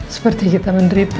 seperti kita menderita